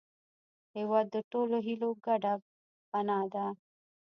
هېواد د ټولو هیلو ګډه پناه ده.